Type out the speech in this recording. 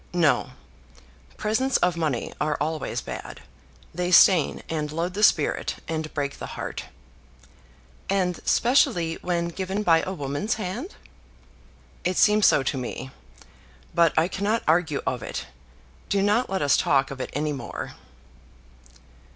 "No; presents of money are always bad. They stain and load the spirit, and break the heart." "And specially when given by a woman's hand?" "It seems so to me. But I cannot argue of it. Do not let us talk of it any more."